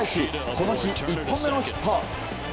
この日１本目のヒット。